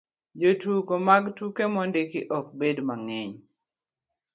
jotugo mag tuke mondiki ok bed mang'eny